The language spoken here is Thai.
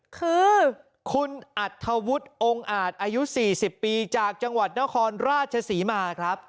คือคุณอัธวุฒิองค์อาจอายุ๔๐ปีจากจังหวัดนครราชศรีมาครับ